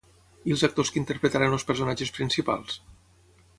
I els actors que interpretaren els personatges principals?